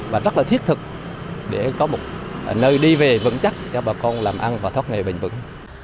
và rất là thiết thực để có một nơi đi về vững chắc cho bà con làm ăn và thoát nghề bình vững